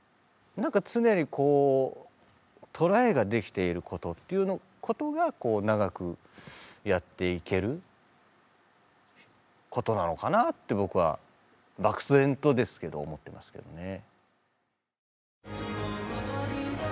何か常にトライができていることっていうことが長くやっていけることなのかなって僕は漠然とですけど思ってますけどね。